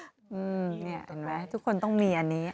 เห็นไหมทุกคนต้องมีอันนี้